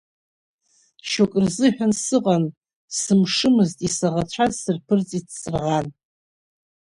Шьоукы рзыҳәан сыҟан, сымшымыз, исаӷацәаз сырԥырҵит сраӷан.